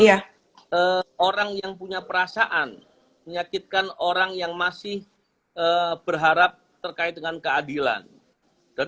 ya orang yang punya perasaan menyakitkan orang yang masih berharap terkait dengan keadilan dan